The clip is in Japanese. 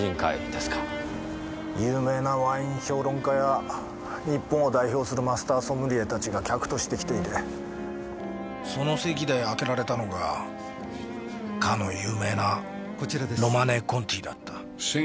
有名なワイン評論家や日本を代表するマスターソムリエたちが客として来ていてその席で開けられたのがかの有名な「ロマネ・コンティ」だった。